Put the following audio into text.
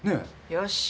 よし。